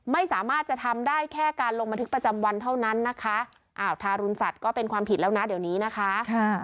ไม่สามารถจะทำได้แค่การลงบันทึกประจำวันเท่านั้นนะคะอ้าวทารุณสัตว์ก็เป็นความผิดแล้วนะเดี๋ยวนี้นะคะ